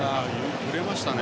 揺れましたね。